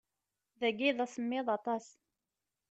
Dagi d asemmiḍ aṭas.